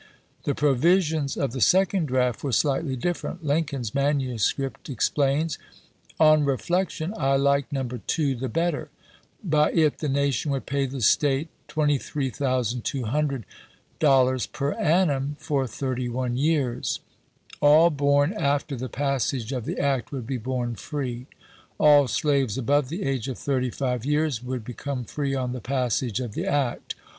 The provisions of ms. the second draft were slightly different. Lincoln's manuscript explains :" On reflection I like No. 2 the better. By it the nation would pay the State $23,200 per annum for thirty one years. All born after the passage of the act would be born free. All slaves above the age of thirty five years would be come free on the passage of the act.